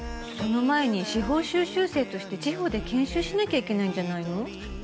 その前に司法修習生として地方で研修しなきゃいけないんじゃないの？